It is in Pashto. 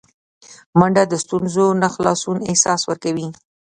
منډه د ستونزو نه خلاصون احساس ورکوي